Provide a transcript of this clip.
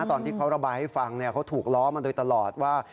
ตอนที่เขาระบายให้ฟังเขาถูกล้อมาโดยตลอดว่า